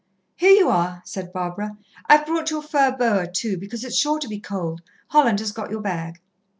"Here you are," said Barbara. "I've brought your fur boa too, because it's sure to be cold. Holland has got your bag."